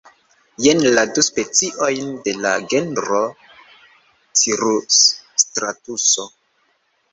Jen la du speciojn de la genro cirusstratuso.